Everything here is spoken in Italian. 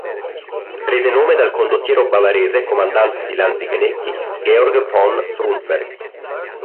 Prese il nome dal condottiero bavarese comandante di lanzichenecchi Georg von Frundsberg.